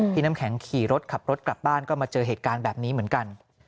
น้ำแข็งขี่รถขับรถกลับบ้านก็มาเจอเหตุการณ์แบบนี้เหมือนกัน